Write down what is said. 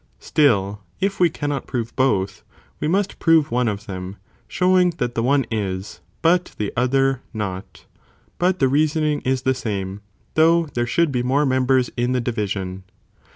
Still if we cannot prove both, we must prove one, of them, showing that the one is, but the other not; but the reasoning is the same, though there should be more mem bers in the division.